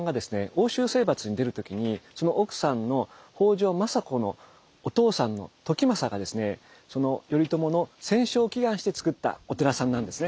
奥州征伐に出る時にその奥さんの北条政子のお父さんの時政がですね頼朝の戦勝祈願をしてつくったお寺さんなんですね。